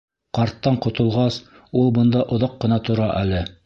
Ҡарттан ҡотолғас, ул бында оҙаҡ ҡына тора әле.